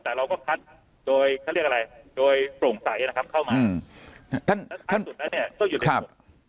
แต่เราก็คัดโดยเขาเรียกอะไรโดยโปร่งใสนะครับเข้ามาอืมครับ